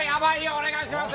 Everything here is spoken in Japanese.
お願いします！